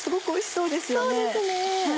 そうですね。